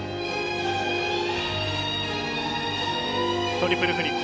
トリプルフリップ。